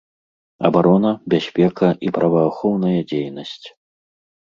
Абарона, бяспека і праваахоўная дзейнасць.